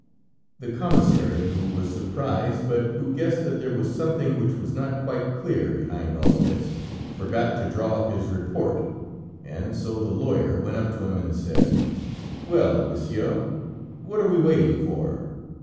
"The Commissary, who was surprised, but who guessed that there was something which was not quite clear behind all this, forgot to draw up his report, and so the lawyer went up to him and said: "'Well, monsieur, what are we waiting for?'